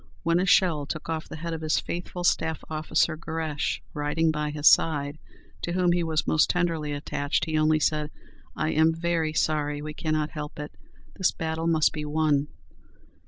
When a shell took off the head of his faithful staff officer, Garesché, riding by his side, to whom he was most tenderly attached, he only said, "I am very sorry; we cannot help it. This battle must be won."